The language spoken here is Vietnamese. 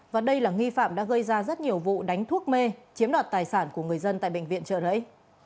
và đây là nghi phạm đã gây ra rất nhiều vụ đánh thuốc mê chiếm đoạt tài sản của người dân tại bệnh viện trợ rẫy